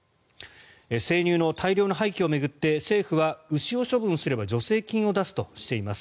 生乳の大量の廃棄を巡って政府は牛を処分すれば助成金を出すとしています。